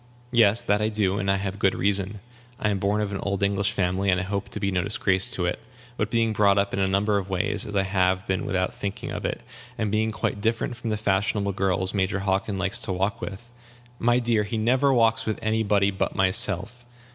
"Yes, that I do; and I have good reason. I am born of an old English family, and I hope to be no disgrace to it. But being brought up in a number of ways, as I have been without thinking of it, and being quite different from the fashionable girls Major Hockin likes to walk with " "My dear, he never walks with any body but myself!"